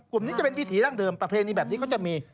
กลุ่มนี้จะเป็นวิถีร่างเดิมปรับเพลงนี้แบบนี้ก็จะมี